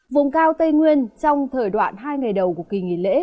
vùng cao tây nguyên trong thời đoạn hai ngày đầu của kỳ nghỉ lễ